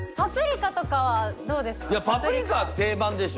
いやパプリカは定番でしょ。